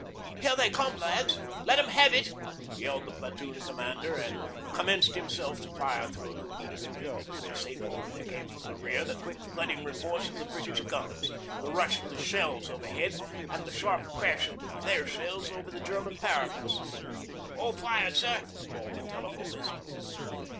'Here they come, lads. Let 'em have it,' yelled the Platoon commander, and commenced himself to fire through a loophole. At the same moment there came from the rear the quick thudding reports of the British guns, the rush of their shells overhead, and the sharp crash of their shells over the German parapets. 'All fired, sir,' called the telephonist.